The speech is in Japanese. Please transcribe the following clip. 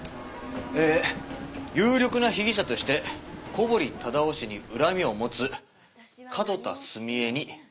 えー有力な被疑者として小堀忠夫氏に恨みを持つ角田澄江に取り調べを行う一方